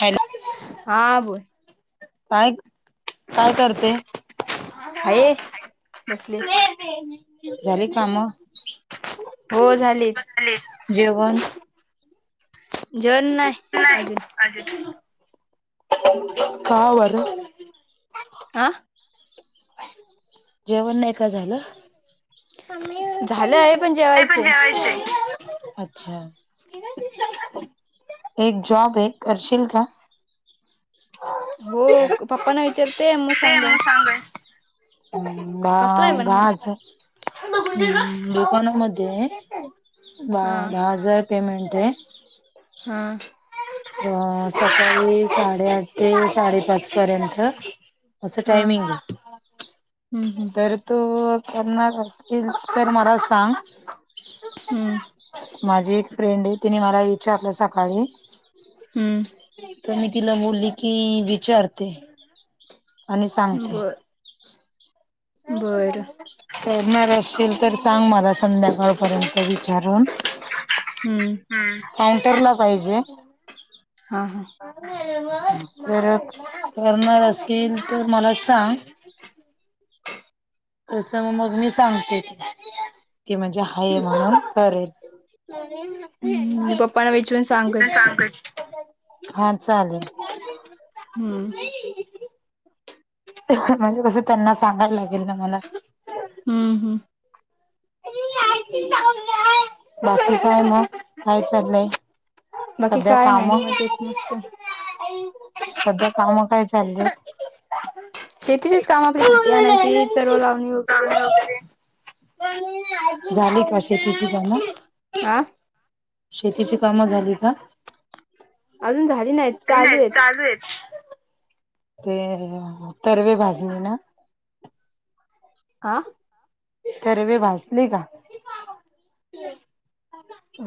Hello. हा बोल. काय गं काय करते? हाय बसले झाली काम? हो झाले जेवण? जेवण नाय अजून. [inaudible] का आवारं अं? जेवण नाही का झालं? [unintelligible] पण झालं आहे जेवायचंये. पण जेवायचंय अच्छा. एक जॉबये, करशील का? हो पप्पा ना विचारते, मग सांगेन. कसला आहे पण माझं दुकानामध्येये. बा हा दहा हजार पेमेंटये. हम्म. अं सकाळी साडेआठ ते साडेपाच पर्यंत असं हा टायमिंगये. हम्म हम्म तर तू करणार असलिल तर मला सांग. हम्म माझी एक फ्रेंडये, तिने मला विचारलं सकाळी. हम्म. तं मी तिला बोलली की, विचारते. आणि सांगते. बरं. करणार असशिल तर सांग मला, संध्याकाळ पर्यंत विचारून. हम्म काउंटरला पाहिजे. हा हा जर करणार असशिल तर मला सांग. तसं मग मी सांगते की, म्हणजे हाय म्हणून करेल. हम्म मी पप्पांना विचारून सांगन [unintelligible] हा चालेल. हम्म. म्हणजे कसं, त्यांना सांगायला लागेल ना मला. हम् हुम बाकी काय ये मग, काय चाललंय? बाकी सध्या काय नाही कामं. मजेत मस्त सध्या कामं काय चाललेत? शेतीचीच कामं आपली, भाटी आणायची तर लावणी वगैरे झाली का शेतीची कामं? आं? शेतीची काम झाली का? अजून झाली नाहीत, चालू येत. चालू येत. ते तरवे भाजणी ना? आ ती तरवे भाजली का?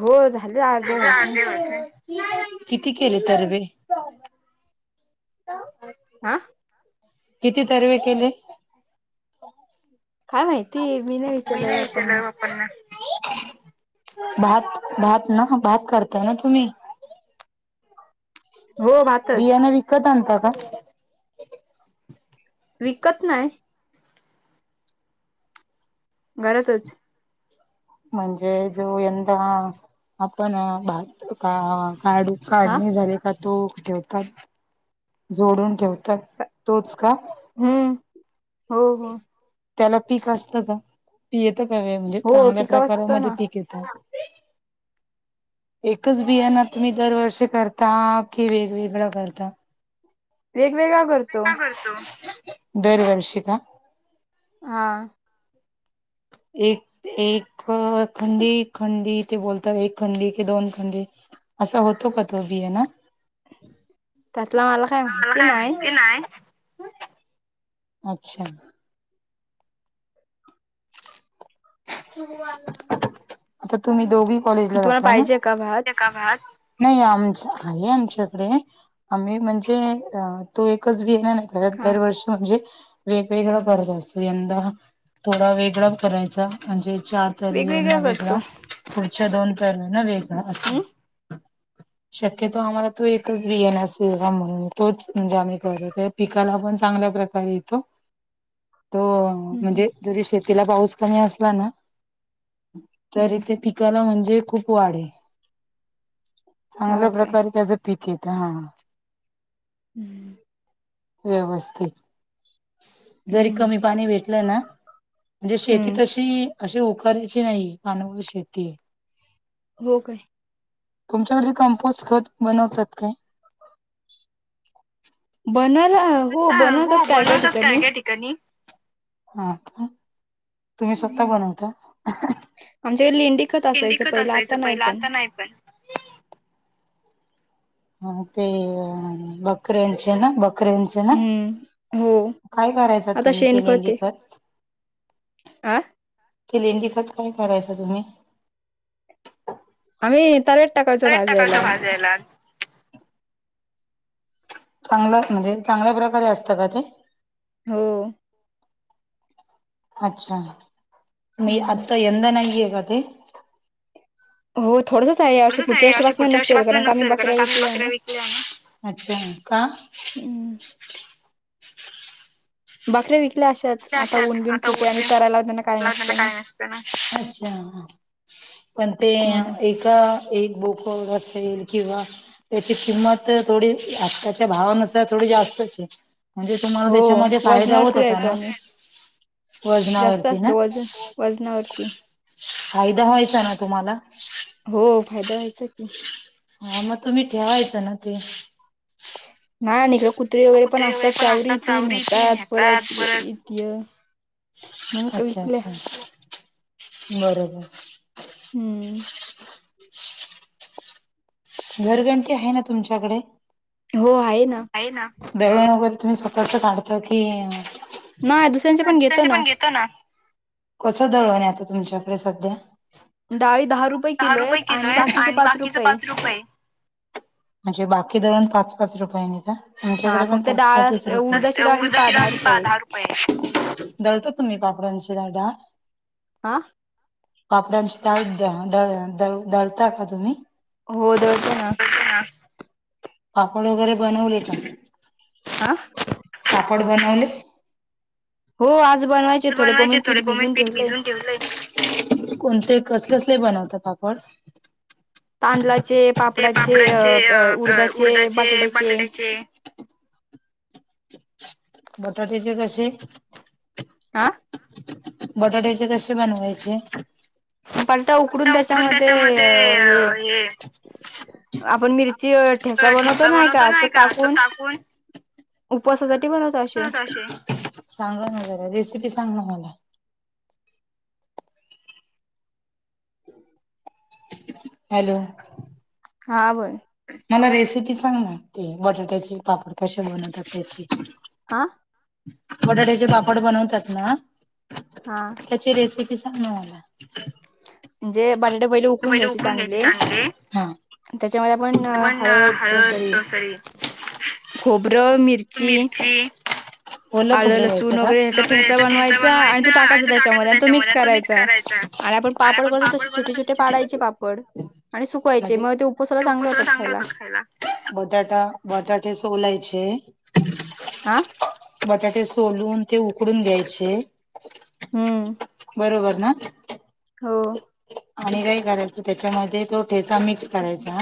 हो झाले वाजून अर्धे भाजले. किती केले तरवे? [unintelligible] हा. किती तर्वे केले? काय माहिती? मी नाही विचारलं पप्पांना. भात भात ना? भात करताय ना तुम्ही? [unintelligible] भातच बियाण विकतं आणता का? विकत नाय. घरातच. म्हणजे जो यंदा आपण भात का काडू हा काढणे झाले का? तो ठेवतात. जोडून ठेवतात तोच का? हम्म. हो हो. त्याला पीक असतं का? पी येतं का वे म्हणजे हो चांगल्या पिका वाचतो प्रकारामध्ये ना पीक येतं? एकच बियाण तुम्ही दरवर्षी करता. की वेगवेगळं करता? वेगवेगळा करतो. दरवर्षी का? हा. एक एक खंडी. खंडी. ते बोलतात एक खंडी की दोन खंडी? असं होतो का तो बीयान? त्यातला मला काय माहिती नाय. अच्छा. आता तुम्ही दोघी कॉलेजला तुम्हाला जाता ना? पाहिजे का भात नाही आमच्या, हाये आमच्याकडे. आम्ही म्हणजे तो एकच बेन परत हा दरवर्षी म्हणजे वेगवेगळा करत असतो. यंदा थोडा वेगळा करायचा. म्हणजे चार तरर्वीना वेगवेगळा करतो वेगळा. पुढच्या दोन तरर्वीना वेगळा. अस. हम्म शक्यतो आम्हाला तो एकच बी यन सेवा म्हणूने तोच म्हणजे आम्ही करतो. त्या पिकाला पण चांगल्या प्रकार का हीतो. तो. हम्म हम्म म्हणजे जरी शेतीला पाऊस पाणी असला ना? तरी हम्म ते पीक ला म्हणजे खूप वाढे. हा चांगल्या काय प्रकारे त्याच पिक येत. हा. हम्म. व्यवस्थित. जरी हम्म कमी पाणी भेटलं ना. म्हणजे शेती हम्म ही अशी होकाराची नाही. अनुभ शेतीये. हो काय? तुमच्याकड ते कम्पोस्ट खत बनवतात काय? बनवयला. हो बनवतात काय काय ठिकाणी. कानी. हा का? तुम्ही स्वतः हम्म. बनवता? आमच्याकडे लेंडीखत असायचं पहिलं. आता नाही पहिला पण. आता नाही पण ते बकरऱ्यांचे ना? बकरऱ्यांचे. हम्म हो काय करायचा आता तुम्ही ते शेणखत लेंडी आहे खत? आ ते ललेंडी खत काय करायच तुम्ही. आम्ही तव्यात टकााचो भाज टाकायचं एला भाजायला चांगलं म्हणजे चांगल्या प्रकारे असतं का ते? हो अच्छा! मग आता यंदा नाहीे का ते? हो थोडंसच आहे अशी पुढच्या आहे अशी वर्षीपासून नसेल कारण का आम्ही बकऱ्या विकल्याना. विकल्याना, अच्छा का? हम्म बकऱ्या विकल्या अशाच. आता अशाच ऊन बिन आता खूप आहे ऊन आणि बीन चरायला खूप काय त्यांना नसतं ना काही नसतय ना, अच्छा हा! पण ते म्हणून एका एक बोकडाचे येईल की ग, त्याची किंमत थोडी आताच्या भावानुसार थोडी जास्तच ये. म्हणजे तुम्हाला हो त्याच्यामध्ये फायदा होत वजनावरती होता द्यायचो ना? आम्ही जास्त वजनावरती असत ना? वजन वजनावरती फायदा व्हायचा ना तुम्हाला? हो फायदा व्हायचा की. हा मग तुम्ही ठेवायचं ना ते? नायन इकड कुत्री वगैरे पण असतात चावरी ती नेतात परत येतील. अच्छा! अच्छा! बरोबर हम्म घरघंटी आहे ना तुमच्याकडे? हो आहे ना. आहे ना दळन वगैरे तुम्ही स्वतःच काढता की अं? लोकांचे पण घेतो ना, कसं दळणये आता तुमच्यात, आता सध्द्या? दहा रुपये किलोय आणि बाकीच पाच रुपये. म्हणजे बाकी दळण पाच पाच रुपये ने का? हा आमच्याकडे पण फक्त पाच डाळ पाच अस च रुपये उडदाची डाळ ही पा [inaudible] रुपये. दहा रुपये. दळता तुम्ही पापडांची दाळ? आं? पापड्यांची डाळ द दळ दळू दळता का तुम्ही? हो दळतोना. दळतोना पापड वगैरे बनवले का? आं? पापड बनवले? हो आज बनवायचे थोडे मम्मीनी पीठ भिजून ठेवलंय. लय कोणते कसले कसले बनवता पापड? ते पापडाचे अ उडदाचे, बटाट्याचे. बटाट्याचे कशे? आह? बटाट्याचे कशे बनवायचे? बटाटा उकडून त्याच्यामध्ये हे ठेचा बनवतो नाही का तो टाकून, उपवासासाठी असे. बनवतो अशे, सांगा ना जरा रेसिपी सांग ना मला. [inaudible] हॅलो! हा बाय मला रेसिपी सांगना ती बटाट्याची पापड कसे बनवतात त्याची हा. बटाट्याचे पापड बनवतात ना. हा. त्याची रेसिपी सांग ना मला. म्हणजे बटाटे पहिले उकडून घ्यायचे चांगले. त्याच्यामध्ये आपण हळद अ सॉरी खोबरं मिरची. मिरची ओलं आलं खोबरं घ्यायचं. लसूण वगैरे हेचा ठेसा बनवायचा आणि तो टाकायचा त्याच्यामध्ये आणि तो मिक्स करायचा. आणि आपण पापड बनवतो तसे छोटे छोटे पाडायचे पापड आणि सुकवायचे मग ते उपवासाला चांगले कोसाला होतात चांगलं खायला. होतं बटाटा बटाटे सोलायचे. आ. बटाटे सोलून ते उकडून घ्यायचे. हम्म बरोबर ना. हो. आणि काय करायचं त्याच्यामध्ये तो ठेचा मिक्स करायचा.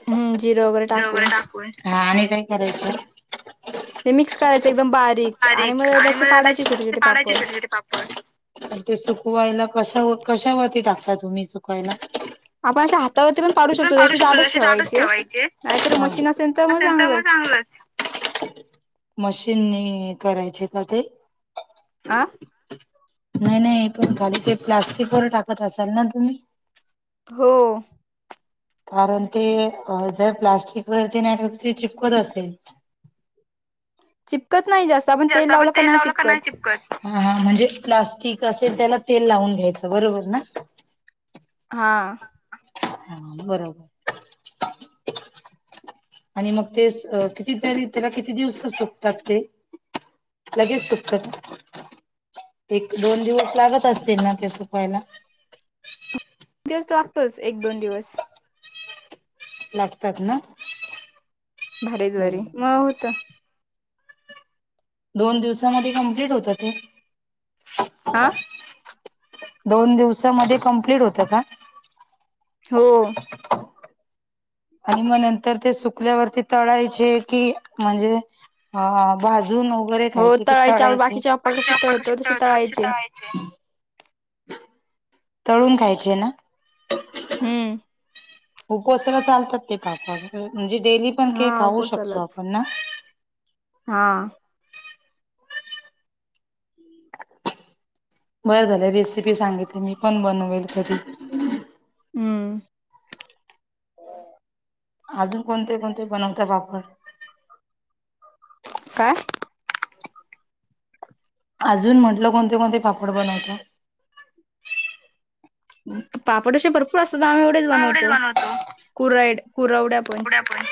खोबरे वगैरे टाकून हा आणि काय करायचं? ते मिक्स करायचं एकदम बारीक मग आणि त्याचे म पाडायचे छोटे त्याची पाडायची पापड. छोटे छोेटे पापड आन ते सुकवायला कशा कशावरती टाकता तुम्ही सुकायला? आपण पाडू शकतो जशी जाडच ठेवायचे हा असेल मग चांगलंच. मशीननी करायचे का ते? आ नाय नाही पण खाली ते प्लास्टिकवर टाकत असाल ना तुम्ही? हो. कारण ते अ जर प्लास्टिकवरती नाय ठेवलं तर चिपकत असेल. चिपकत नाही जास्त आपण तेल लावलं का नाय चिपकत. हा हा म्हणजे प्लास्टिक असेल त्याला तेल लावून घ्यायचं बरोबर ना. हा. हम्म बरोबर. आणि मग तेच अ कितीतरी त्याला किती दिवस सुकतात ते? लगेच सुकतात. एक दोन दिवस लागत असतील ना ते सुकवायला. दिवस लागतोच एक दोन दिवस. लागतात ना. बरं भारीद्वारी मग होत. दोन दिवसामध्ये कम्प्लीट होतात ते. आ. दोन दिवसामध्ये कम्प्लीट होतं का? हो. आणि मग नंतर ते सुकल्यावरती तळायचे कि म्हणजे अ भाजून वगैरे हो खायचे कि आपण तळायचे? बाकीचे पापड आणि कसे आपण कशी तसे तळतो तशे तळायचे तळाय तळून खायचे ना. हम्म. उपवासाला चालतात ते पापड म्हणजे डेली पण ते हा खाऊ शकतो उपसालाच. आपण ना. हा. बरं झालं रेसिपी सांगितली मी पण बनवेल कधी हम्म. अजून कोणते कोणते बनवता पापड? का? अजून म्हटलं कोणते कोणते पापड बनवता? पापड असे भरपूर असतात आम्ही एवढेच बनवतो कुरेड कुरवड्या पण. ड्या पण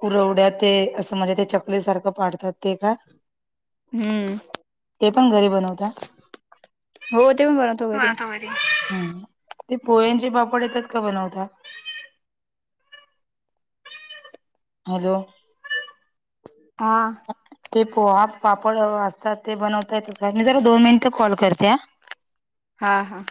कूरवड्या ते असं म्हणजे चकली सारखं पाडतात ते का? हम्म ते पण घरी बनवता? हो ते पण बनवतो होय घरी. होय हम ते पोह्यांचे पापड येतात का बनवता? हॅलो हा ते पोहा पापड असतात ते बनवता येतात का? मी जरा दोन मिनिट कॉल करते हा. हा हा.